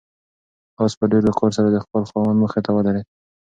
آس په ډېر وقار سره د خپل خاوند مخې ته ودرېد.